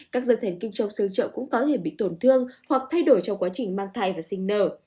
các dân thần kinh trong sương trậu cũng có thể bị tổn thương hoặc thay đổi trong quá trình mang thai và sinh nở